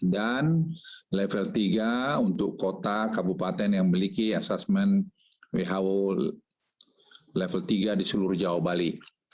dan level tiga untuk kota kabupaten yang memiliki asesmen who level tiga di seluruh jawa bali